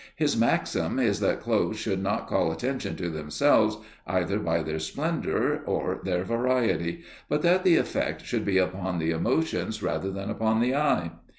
His maxim is that clothes should not call attention to themselves either by their splendour or their variety, but that the effect should be upon the emotions rather than upon the eye.